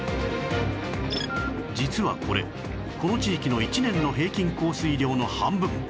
実はこれこの地域の１年の平均降水量の半分